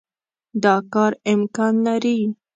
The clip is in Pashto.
دا کار امکان لري.